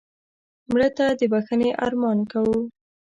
مړه ته د بښنې ارمان کوو